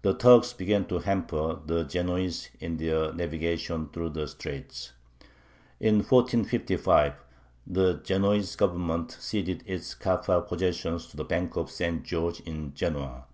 The Turks began to hamper the Genoese in their navigation through the straits. In 1455 the Genoese Government ceded its Kaffa possessions to the Bank of St. George in Genoa.